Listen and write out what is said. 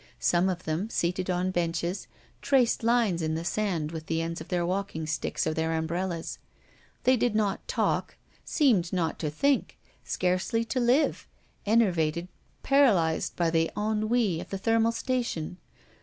Some of them, seated on benches, traced lines in the sand with the ends of their walking sticks or their umbrellas. They did not talk, seemed not to think, scarcely to live, enervated, paralyzed by the ennui of the thermal station.